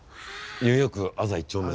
ニューヨーク字１丁目。